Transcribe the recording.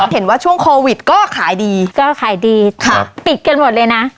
เห็นว่าช่วงโควิดก็ขายดีก็ขายดีปิดกันหมดเลยนะ